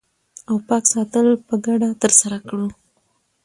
او پاک ساتل په ګډه ترسره کړو